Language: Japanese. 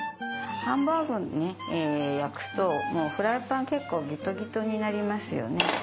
ハンバーグを焼くともうフライパン結構ギトギトになりますよね。